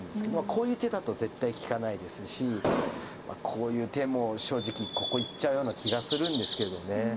こういう手だと絶対利かないですしこういう手も正直ここいっちゃうような気がするんですけど。